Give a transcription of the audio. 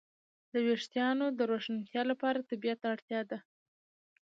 د وېښتیانو د روښانتیا لپاره طبيعت ته اړتیا ده.